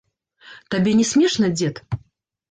Табе не смешна, дзед?